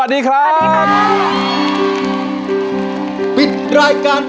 ผ่านยกที่สองไปได้นะครับคุณโอ